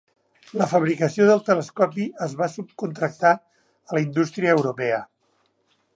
La fabricació del telescopi es va subcontractar a la indústria europea.